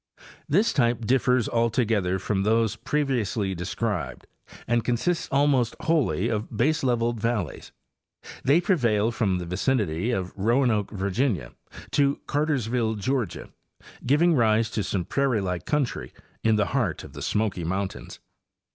—This type differs altogether from those previously described and consists almost wholly of baseleveled valleys. They prevail from the vicinity of Roanoke, Virginia, to Cartersville, Georgia, giving rise to some prairie like country in the heart of the Smoky mountains.